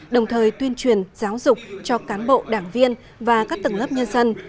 đồng thời tuyên truyền giáo dục cho cán bộ đảng viên và các tầng lớp nhân dân